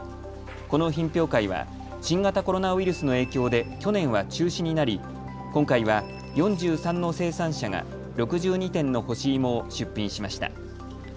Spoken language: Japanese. この品評会は新型コロナウイルスの影響で去年は中止になり今回は４３の生産者が６２点の干し芋を出品しました。